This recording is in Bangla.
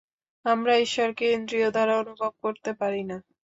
আমরা ঈশ্বরকে ইন্দ্রিয় দ্বারা অনুভব করিতে পারি না।